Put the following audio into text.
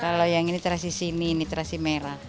kalau yang ini terasi sini ini terasi merah